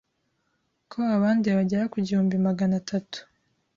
ko abanduye bagera ku igihumbi namagana atatu